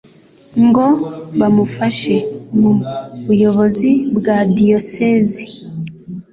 ngo bamufashe mu buyobozi bwa Diyosezi